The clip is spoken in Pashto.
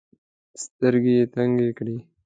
سترګي یې تنګي کړې .